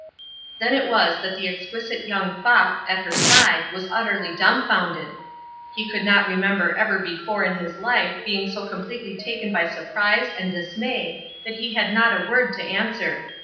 Then it was that the exquisite young fop at her side was utterly dumbfounded. He could not remember ever before in his life being so completely taken by surprise and dismay that he had not a word to answer.